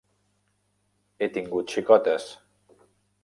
He tingut xicotes.